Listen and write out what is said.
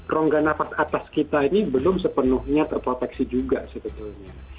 rongganapak atas kita ini belum sepenuhnya terproteksi juga sebetulnya